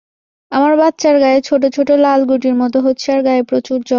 আমার বাচ্চার গায়ে ছোট ছোট লাল গুটির মত হচ্ছে আর গায়ে প্রচুর জ্বর।